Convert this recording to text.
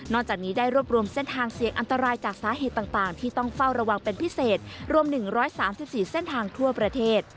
จากนี้ได้รวบรวมเส้นทางเสี่ยงอันตรายจากสาเหตุต่างที่ต้องเฝ้าระวังเป็นพิเศษรวม๑๓๔เส้นทางทั่วประเทศ